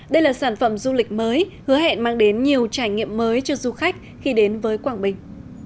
đây là sản phẩm du lịch mới hứa hẹn mang đến nhiều trải nghiệm mới cho du khách khi đến với quảng bình